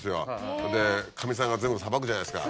それでかみさんが全部さばくじゃないですか。